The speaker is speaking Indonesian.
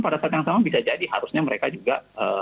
pada saat yang sama bisa jadi harusnya mereka juga